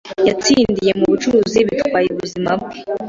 Yatsindiye mu bucuruzi bitwaye ubuzima bwe.